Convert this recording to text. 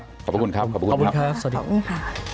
ขอบคุณครับขอบคุณครับขอบคุณครับสวัสดีครับขอบคุณครับ